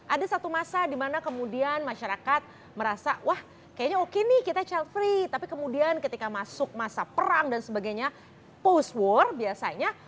ada satu masa dimana kemudian masyarakat merasa wah kayaknya oke nih kita child free tapi kemudian ketika masuk masa perang dan sebagainya post war biasanya